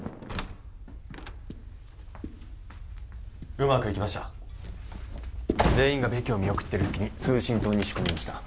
うまくいきました全員がベキを見送ってる隙に通信棟に仕込みました